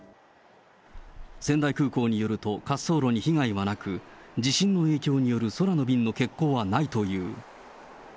仙台空港によると、滑走路に被害はなく、地震の影響による空の便の欠航はないという。